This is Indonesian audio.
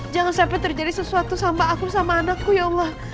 jangan sampai terjadi sesuatu sama aku sama anakku ya allah